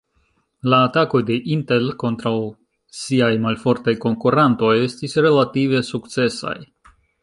La atakoj de Intel kontraŭ siaj malfortaj konkurantoj estis relative sukcesaj.